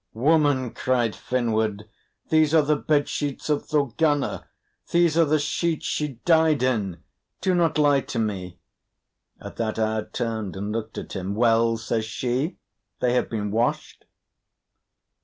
"Woman!" cried Finnward, "these are the bed sheets of Thorgunna these are the sheets she died in! do not lie to me!" At that Aud turned and looked at him. "Well?" says she, "they have been washed."